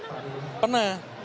untuk kereta sendiri pernah nggak